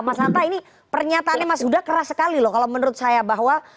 mas hanta ini pernyataannya mas huda keras sekali loh kalau menurut saya bahwa